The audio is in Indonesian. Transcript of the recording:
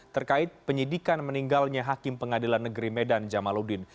terkait penyidikan meninggalnya hakim pengadilan negeri medan jamaludin